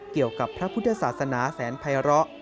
เกี่ยวกับพระพุทธศาสนาแสนภัยร้อ